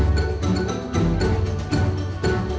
เพื่อนรับทราบ